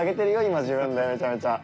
今自分でめちゃめちゃ。